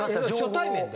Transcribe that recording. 初対面で？